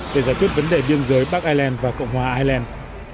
để giải quyết vấn đề biên giới bắc ireland và cộng hòa ireland